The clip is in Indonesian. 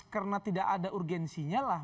karena tidak ada urgensinya lah